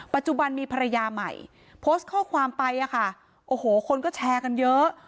ปัจจุบันมีภรรยาใหม่โพสต์ข้อความไปอะค่ะโอ้โหคนก็แชร์กันเยอะ